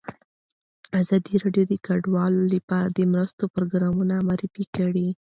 ازادي راډیو د کډوال لپاره د مرستو پروګرامونه معرفي کړي.